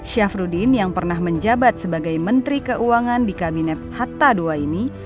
syafruddin yang pernah menjabat sebagai menteri keuangan di kabinet hatta ii ini